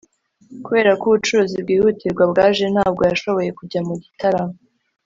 kubera ko ubucuruzi bwihutirwa bwaje, ntabwo yashoboye kujya mu gitaramo